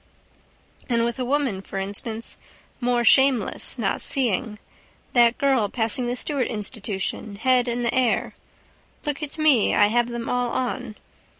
And with a woman, for instance. More shameless not seeing. That girl passing the Stewart institution, head in the air. Look at me. I have them all on.